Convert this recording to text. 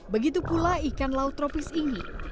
begitu pula ikan laut tropis ini